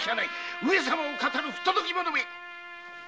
上様を騙る不届き者め！